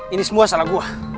ini semua salah gue